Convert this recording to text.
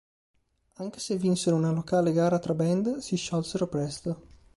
Anche se vinsero una locale gara tra band, si sciolsero presto.